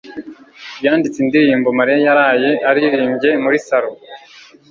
yanditse indirimbo Mariya yaraye aririmbye muri salo.